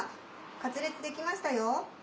カツレツ出来ましたよ。